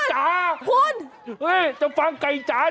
โอ้โฮหุ่นจางฟังไก่จาง